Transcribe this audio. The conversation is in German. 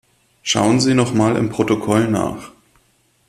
Schauen Sie noch mal im Protokoll nach.